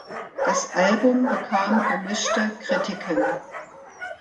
Das Album bekam gemischte Kritiken.